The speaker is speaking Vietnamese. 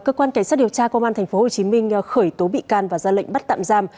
cơ quan cảnh sát điều tra công an tp hcm khởi tố bị can và ra lệnh bắt tạm giam